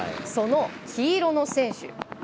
その黄色の選手。